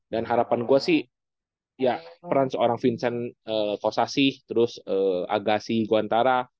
dan harapan gue sih ya peran seorang vincent causasi terus agassi guantara